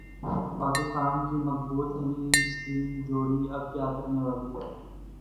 پاکستان کی مقبول ترین اسکرین جوڑی اب کیا کرنے والی ہے